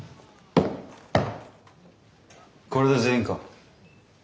これで全員か？